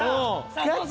ガチ？